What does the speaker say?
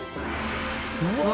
うわ！